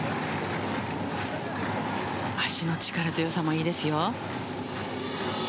脚の力強さもいいですよ。